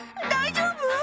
大丈夫？」